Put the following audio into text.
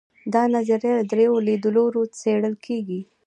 دا نظریه له درېیو لیدلورو څېړل کیږي.